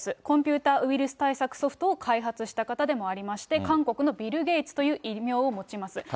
コンピューターウイルス対策ソフトを開発した方でもありまして、韓国のビル・ゲイツという異名を持ちます。